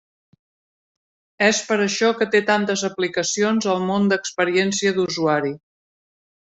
És per això que té tantes aplicacions al món d'experiència d'usuari.